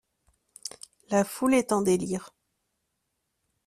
la foule est en délire